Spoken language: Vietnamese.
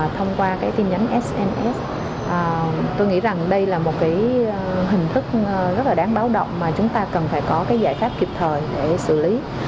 thông qua tin nhắn sns tôi nghĩ đây là một hình thức rất đáng báo động mà chúng ta cần phải có giải pháp kịp thời để xử lý